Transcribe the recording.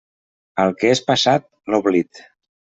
Al que és passat, l'oblit.